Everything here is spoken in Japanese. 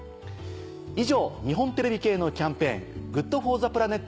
以上日本テレビ系のキャンペーンＧｏｏｄＦｏｒｔｈｅＰｌａｎｅｔ